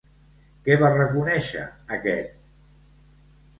Què va reconèixer aquest?